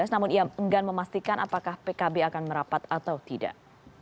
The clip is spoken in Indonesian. namun ia enggan memastikan apakah pkb akan merapat atau tidak